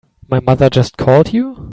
My mother just called you?